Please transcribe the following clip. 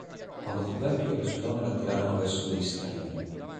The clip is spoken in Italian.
Quando fu vecchio, le sue donne l'attirarono verso dei stranieri.